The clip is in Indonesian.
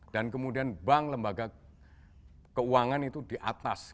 dan kemudian bank lembaga keuangan itu di atas